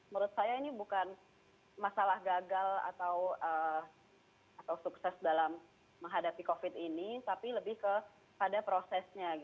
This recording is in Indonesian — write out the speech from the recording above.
menurut saya ini bukan masalah gagal atau sukses dalam menghadapi covid ini tapi lebih kepada prosesnya